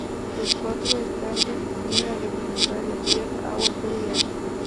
Las cuatro restantes vienen a representar el tierra, agua, fuego y aire.